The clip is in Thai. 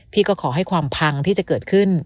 ก็ขอให้ความพังที่จะเกิดขึ้น